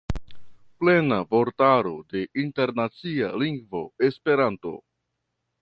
Plena vortaro de internacia lingvo Esperanto.